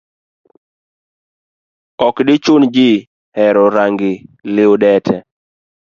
Ok dichun ji hero rangi liudute.